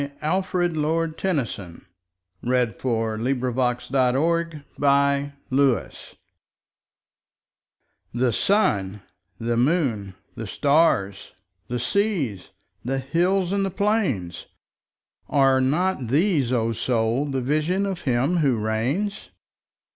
Alfred, Lord Tennyson (1809–1892) 93. The Higher Pantheism THE SUN, the moon, the stars, the seas, the hills and the plains—Are not these, O Soul, the Vision of Him who reigns?